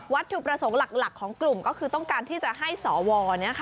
วัตถุประสงค์หลักของกลุ่มก็คือต้องการที่จะให้สอวรเนี่ยค่ะ